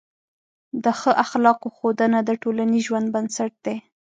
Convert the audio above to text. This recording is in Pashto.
د ښه اخلاقو ښودنه د ټولنیز ژوند بنسټ دی.